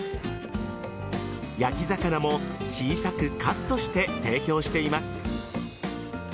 焼き魚も小さくカットして提供しています。